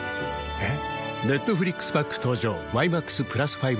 えっ？